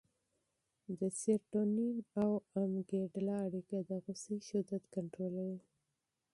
د سېرټونین او امګډالا اړیکه د غوسې شدت کنټرولوي.